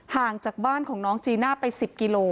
ห่างจากบ้านของน้องจีน่าไป๑๐กิโล